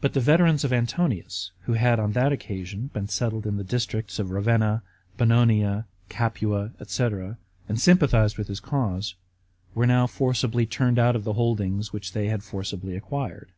But the veterans of Antonius, who had on that occasion been settled in the districts of Ravenna, Bononia, Capua, &c., and sympathized with his cause, were now forcibly turned out of the holdings which they had forcibly acquired.